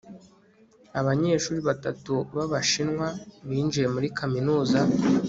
abanyeshuri batatu b'abashinwa binjiye muri kaminuza